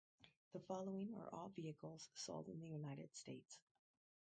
The following are all vehicles sold in the United States.